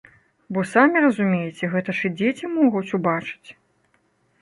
Бо самі разумееце, гэта ж і дзеці могуць убачыць.